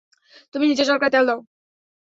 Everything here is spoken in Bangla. তুমি নিজের চরকায় তেল দাও।